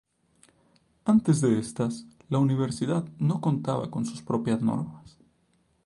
Antes de estas, la universidad no contaba con sus propias normas.